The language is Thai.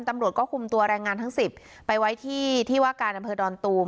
ตำรวจก็คุมตัวแรงงานทั้ง๑๐ไปไว้ที่ที่ว่าการอำเภอดอนตูม